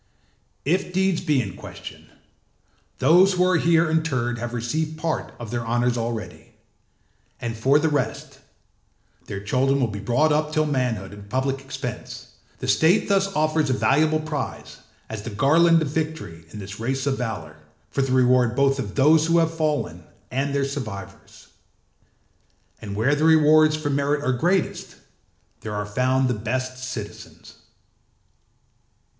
If deeds be in question, those who are here interred have received part of their honours already, and for the rest, their children will be brought up till manhood at the public expense: the state thus offers a valuable prize, as the garland of victory in this race of valour, for the reward both of those who have fallen and their survivors. And where the rewards for merit are greatest, there are found the best citizens.